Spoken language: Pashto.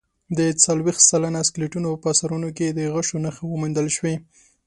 د څلوېښت سلنه سکلیټونو په سرونو کې د غشو نښې وموندل شوې.